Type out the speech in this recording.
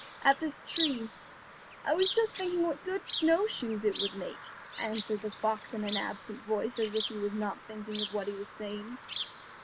"At this tree. I was just thinking what good snowshoes it would make," answered the fox in an absent voice, as if he was not thinking of what he was saying.